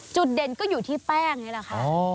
จุดเด่นก็อยู่ที่แป้งนี่แหละค่ะ